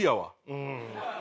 うん。